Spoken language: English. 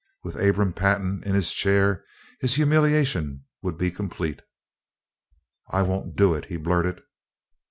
With Abram Pantin in his chair his humiliation would be complete. "I won't do it!" he blurted.